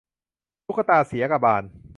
ตุ๊กตาเสียกบาล